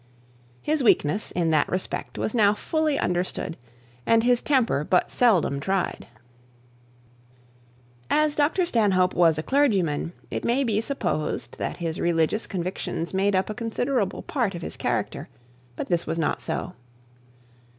His weakness in that respect was now fully understood, and his temper but seldom tried. As Dr Stanhope was a clergyman, it may be supposed that his religious convictions made up a considerable part of his character; but this was not so.